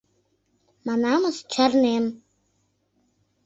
— Манамыс: чарнем...